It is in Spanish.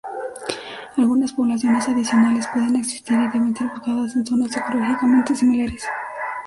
Algunas poblaciones adicionales pueden existir y deben ser buscadas en zonas ecológicamente similares.